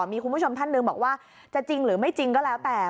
มีคุณผู้ชมท่านหนึ่งบอกว่าจะจริงหรือไม่จริงก็แล้วแต่